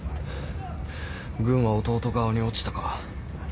軍は弟側に落ちたか。